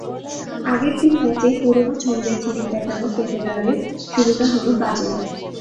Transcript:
আগের তিন ম্যাচেই পুরোনো ছন্দের ঝিলিক দেখানো ফেদেরারের শুরুটা হলো বাজে।